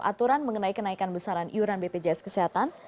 aturan mengenai kenaikan besaran iuran bpjs kesehatan